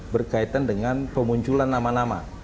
berkaitan dengan pemunculan nama nama